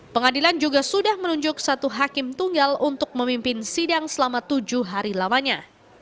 pengadilan juga sudah menunjuk satu hakim tunggal untuk memimpin sidang selama tujuh hari lamanya